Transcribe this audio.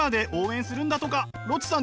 ロッチさん